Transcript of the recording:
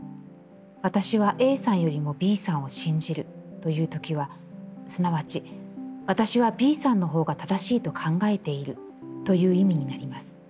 『私はＡさんよりもＢさんを信じる』と言う時は、すなわち『私はＢさんの方が正しいと考えている』という意味になります。